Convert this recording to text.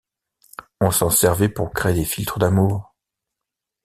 On s’en servait pour créer des philtres d’amour.